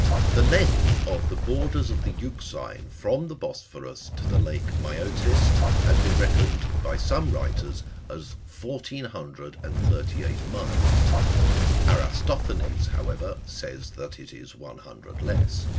The length of the borders of the Euxine from the Bosporus to the Lake Maeotis has been reckoned by some writers at fourteen hundred and thirty eight miles ; Eratosthenes, how ever, saj's that it is one hundred less.